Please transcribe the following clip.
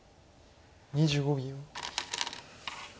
２５秒。